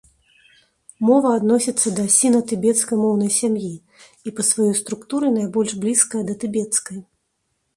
Мова адносіцца да сіна-тыбецкай моўнай сям'і і па сваёй структуры найбольш блізкая да тыбецкай.